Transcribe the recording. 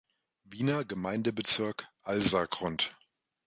Wiener Gemeindebezirk, Alsergrund.